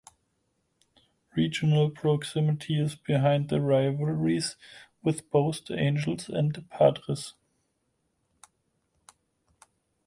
Regional proximity is behind the rivalries with both the Angels and the Padres.